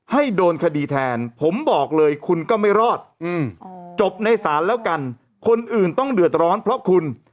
ให้โดนคดีแทนผมบอกเลยคุณก็ไม่รอดจบในศาลแล้วกันคนอื่นต้องเดือดร้อนเพราะคุณ